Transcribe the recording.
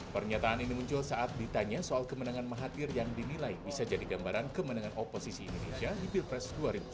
pernyataan ini muncul saat ditanya soal kemenangan mahathir yang dinilai bisa jadi gambaran kemenangan oposisi indonesia di pilpres dua ribu sembilan belas